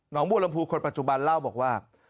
บัวลำพูคนปัจจุบันเล่าบอกว่า